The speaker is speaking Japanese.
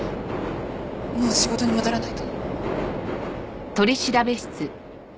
もう仕事に戻らないと。